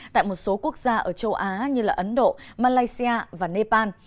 tại một số quốc gia ở châu á như ấn độ malaysia và nepal